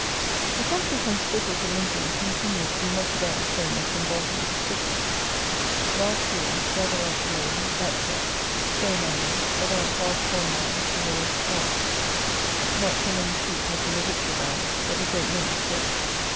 The country from Spittal to Lincoln continued to be much about the same as from Barton to Spittal. Large fields, rather light loam at top, stone under, about half corn land and the rest grass. Not so many sheep as in the richer lands, but a great many still.